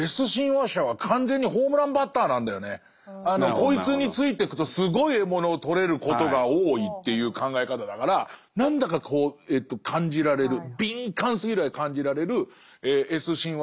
こいつについてくとすごい獲物を取れることが多いっていう考え方だから何だか感じられる敏感すぎるぐらい感じられるＳ親和者は絶対必要ですよね。